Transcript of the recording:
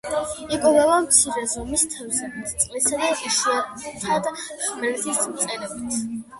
იკვებება მცირე ზომის თევზებით, წყლის და იშვითად ხმელეთის მწერებით.